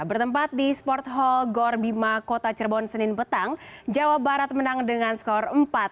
bertempat di sport hall gorbima kota cirebon senin petang jawa barat menang dengan skor empat